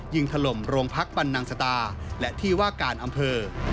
ยิ่งถล่มโรงพักษณ์บรรนังสตาและที่วากกาลอำเภอ